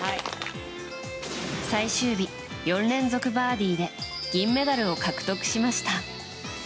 最終日、４連続バーディーで銀メダルを獲得しました。